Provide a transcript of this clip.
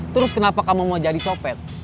terus kenapa kamu mau jadi copet